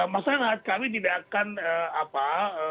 masalah kami tidak akan apa